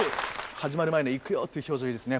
始まる前の「いくよ」っていう表情いいですね